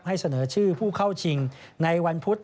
เสนอชื่อผู้เข้าชิงในวันพุธ